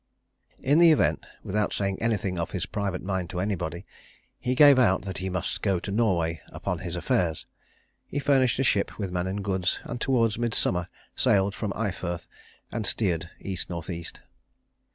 In the event, without saying anything of his private mind to anybody, he gave out that he must go to Norway upon his affairs. He furnished a ship with men and goods, and towards midsummer sailed from Eyefirth, and steered East North East.